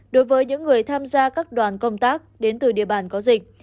đối với những người tham gia các đoàn công tác đến từ địa bàn có dịch